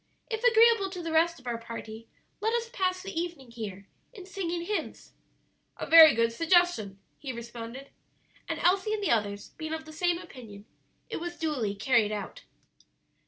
If agreeable to the rest of our party, let us pass the evening here in singing hymns." "A very good suggestion," he responded, and Elsie and the others being of the same opinion, it was duly carried out.